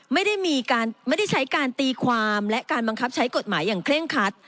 ไม่ได้ใช้การตีความและการบังคับใช้กฎหมายอย่างเคร่งคัด